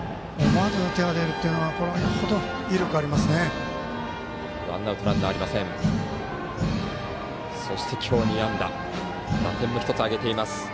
思わず手が出るというのはこれほど威力ありますね。